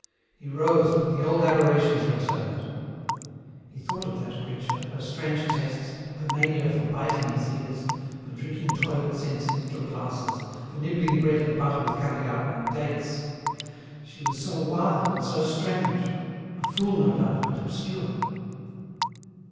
He rose, but the old aberrations returned. He thought of that creature, her strange tastes, her mania for biting his ears, for drinking toilet scents in little glasses, for nibbling bread and butter with caviare, and dates. She was so wild, and so strange ; a fool no doubt, but obscure.